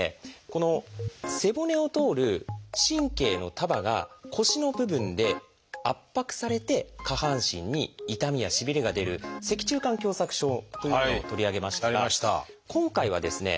この背骨を通る神経の束が腰の部分で圧迫されて下半身に痛みやしびれが出る「脊柱管狭窄症」というものを取り上げましたが今回はですね